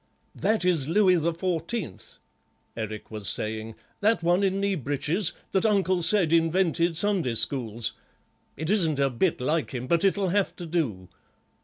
"That is Louis the Fourteenth," Eric was saying, "that one in knee breeches, that Uncle said invented Sunday schools. It isn't a bit like him, but it'll have to do."